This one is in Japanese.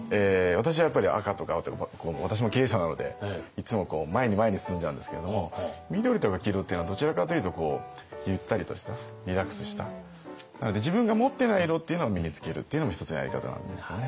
私はやっぱり赤とか青とか私も経営者なのでいつも前に前に進んじゃうんですけれども緑とか黄色っていうのはどちらかというとゆったりとしたリラックスしたなので自分が持ってない色っていうのを身に着けるっていうのも一つのやり方なんですよね。